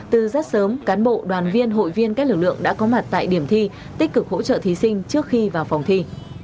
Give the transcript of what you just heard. từ rất sớm cán bộ đoàn viên hội viên các lực lượng đã có mặt tại điểm thi tích cực hỗ trợ thí sinh trước khi vào phòng thi